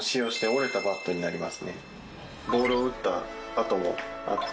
ボールを打った跡もあって。